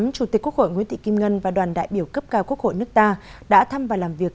chủ tịch quốc hội nguyễn thị kim ngân và đoàn đại biểu cấp cao quốc hội nước ta đã thăm và làm việc